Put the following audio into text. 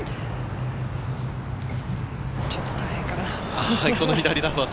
ちょっと大変かな。